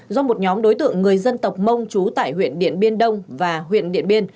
do một nhóm đối tượng người dân tộc mông trú tại huyện điện biên đông và huyện điện biên